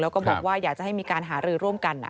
แล้วก็บอกว่าอยากจะให้มีการหารือร่วมกัน